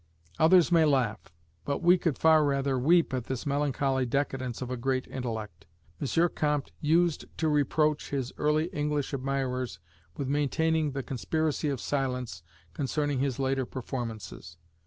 Others may laugh, but we could far rather weep at this melancholy decadence of a great intellect. M. Comte used to reproach his early English admirers with maintaining the "conspiracy of silence" concerning his later performances.